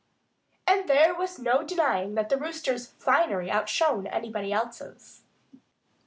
And there was no denying that the Rooster's finery outshone everybody else's.